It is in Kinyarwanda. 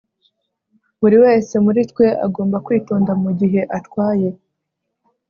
Buri wese muri twe agomba kwitonda mugihe atwaye